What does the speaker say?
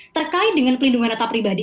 terkait dengan pelindungan data pribadi